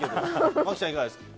真希ちゃん、いかがですか。